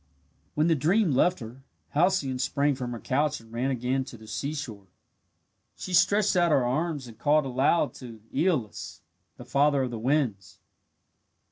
When the dream left her, Halcyone sprang from her couch and ran again to the seashore. She stretched out her arms and called aloud to Aeolus, the father of the winds.